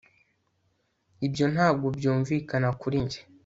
Ibyo ntabwo byumvikana kuri njye